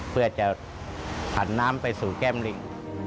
เพื่อจะผันน้ำไปสู่แก้มลิง